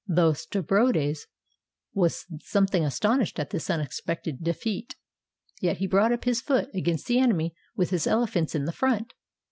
Though Stabrobates was something astonished at this unexpected defeat, yet he brought up his foot against the enemy with his ele phants in the front.